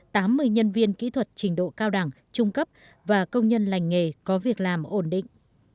tám mươi nhân viên kỹ thuật trình độ cao đẳng trung cấp và công nhân lành nghề có việc làm ổn định